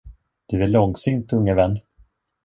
Du är långsint, unge vän!